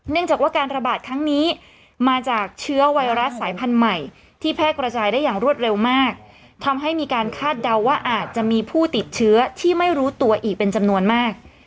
จากว่าการระบาดครั้งนี้มาจากเชื้อไวรัสสายพันธุ์ใหม่ที่แพร่กระจายได้อย่างรวดเร็วมากทำให้มีการคาดเดาว่าอาจจะมีผู้ติดเชื้อที่ไม่รู้ตัวอีกเป็นจำนวนมาก